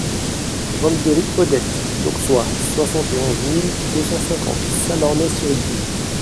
vingt-deux rue Odette Dauxois, soixante et onze mille deux cent cinquante Salornay-sur-Guye